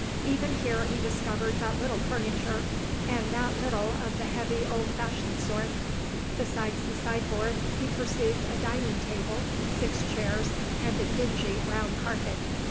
Even here he discovered but little furniture, and that little of the heavy old fashioned sort. Besides the sideboard, he perceived a dining table, six chairs, and a dingy brown carpet.